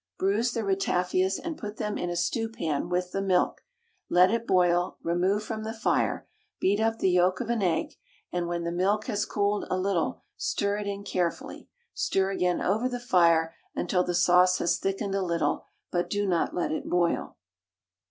Bruise the ratafias and put them in a stewpan with the milk; let it boil, remove from the fire, beat up the yolk of egg, and when the milk has cooled a little stir it in carefully; stir again over the fire until the sauce has thickened a little, but do not let it boil.